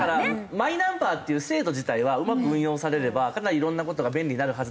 マイナンバーっていう制度自体はうまく運用されればかなりいろんな事が便利になるはずなんですよ。